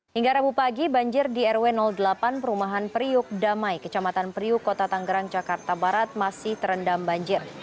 hingga rabu pagi banjir di rw delapan perumahan periuk damai kecamatan priuk kota tanggerang jakarta barat masih terendam banjir